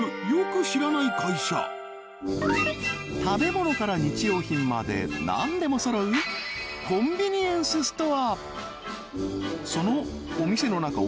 食べ物から日用品まで何でもそろうコンビニエンスストア